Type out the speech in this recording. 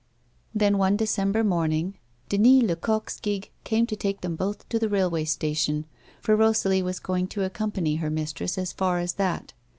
Then one December morning, Denis Lecoq's gig came to take them both to the railway station, for Eosalie was going to accompany her mistress as far as that.